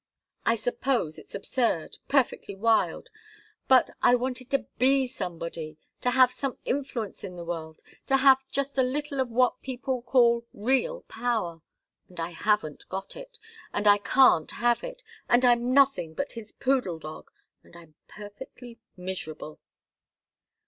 I suppose it's absurd perfectly wild but I wanted to be somebody, to have some influence in the world, to have just a little of what people call real power. And I haven't got it, and I can't have it; and I'm nothing but his poodle dog, and I'm perfectly miserable!"